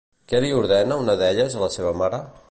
Què li ordena una d'elles a la seva mare?